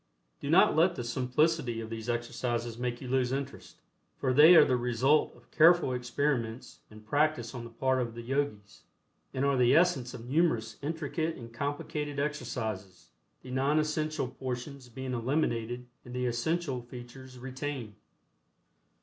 Do not let the simplicity of these exercises make you lose interest, for they are the result of careful experiments and practice on the part of the Yogis, and are the essence of numerous intricate and complicated exercises, the non essential portions being eliminated and the essential features retained.